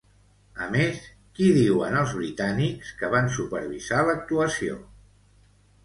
A més, qui diuen els britànics que van supervisar l'actuació?